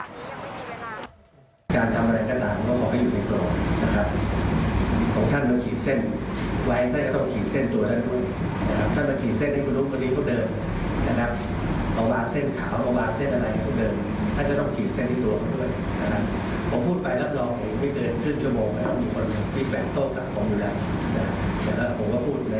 ไม่เป็นครึ่งชั่วโมงมันต้องมีคนที่แบ่งต้นกับความดูแล